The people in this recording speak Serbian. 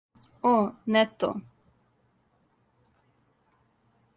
О, не то.